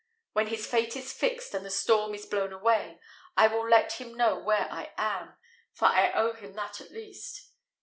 When his fate is fixed and the storm is blown away, I will let him know where I am; for I owe him that at least.